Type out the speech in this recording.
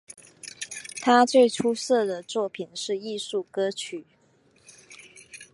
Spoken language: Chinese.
他最出色的作品是艺术歌曲。